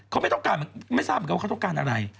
เขาไม่ต้องการไม่ทราบเหมือนกันว่าเขาต้องการอะไร